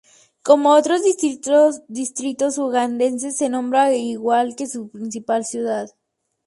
Como otros distritos ugandeses, se nombra igual que su principal ciudad.